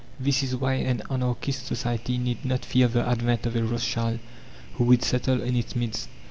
This is why an anarchist society need not fear the advent of a Rothschild who would settle in its midst.